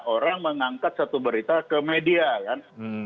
orang mengangkat satu berita ke media kan